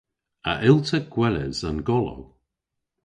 A yll'ta gweles an golow?